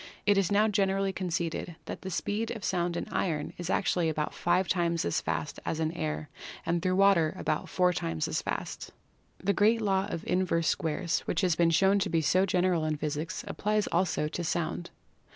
It is now generally conceded that the speed of sound in iron is actually about five times as fast as in air and through water about four times as fast. The great law of Inverse Squares which has been shown to be so general in physics applies also to Sound.